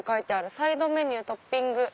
「サイドメニュー」「トッピング」。